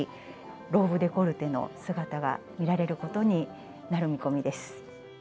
ローブデコルテの姿が見られることになる見込みです。